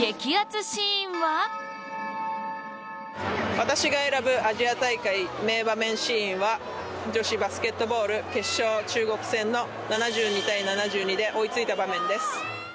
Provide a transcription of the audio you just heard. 私が選ぶアジア大会名場面シーンは、女子バスケットボール決勝中国戦の７２−７２で追いついた場面です。